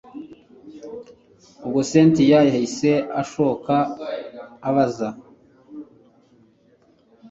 ubwo cyntia yahise ashoka abaza